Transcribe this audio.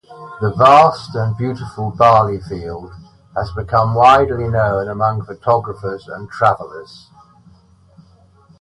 The vast and beautiful barley field has become widely known among photographers and travelers.